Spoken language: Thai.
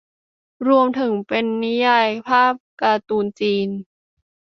รวมถึงเป็นนิยายภาพการ์ตูนจีน